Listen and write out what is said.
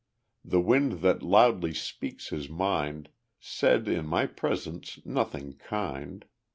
The wind that loudly speaks his mind, Said in my presence nothing kind.